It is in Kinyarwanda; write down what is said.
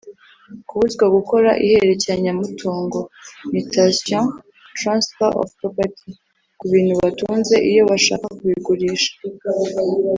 Kubuzwa gukora ihererekanya mutungo (mutation/transfer of property) ku bintu batunze iyo bashaka kubigurisha ;